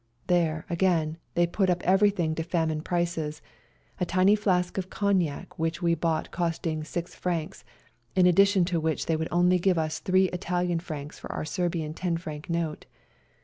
There, again, they put up everything to famine prices, a tiny flask of cognac which we bought costing Frs. 6, in addition to which they would only give us three Italian francs for our Serbian 10 franc note.